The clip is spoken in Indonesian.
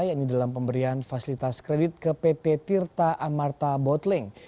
yaitu dalam pemberian fasilitas kredit ke pt tirta amarta botling